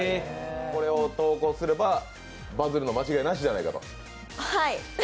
これを投稿すればバズるの間違いなしではないかと？